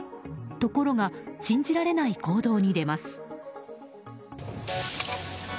ところが信じられない行動に出ます。